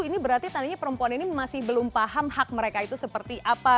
ini berarti tandanya perempuan ini masih belum paham hak mereka itu seperti apa